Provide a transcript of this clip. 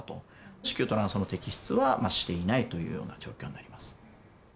子宮と卵巣の摘出はしていないというような状況になります。